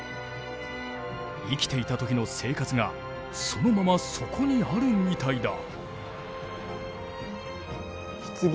生きていた時の生活がそのままそこにあるみたいだ。